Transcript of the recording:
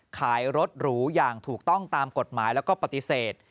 ขายรถหรูอย่างถูกต้องตามกฎหมายแล้วก็ปฏิเสธ